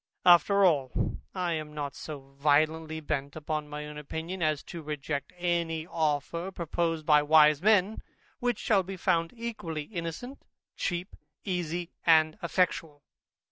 After all, I am not so violently bent upon my own opinion, as to reject any offer, proposed by wise men, which shall be found equally innocent, cheap, easy, and effectual.